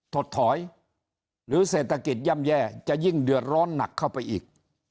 ถดถอยหรือเศรษฐกิจย่ำแย่จะยิ่งเดือดร้อนหนักเข้าไปอีก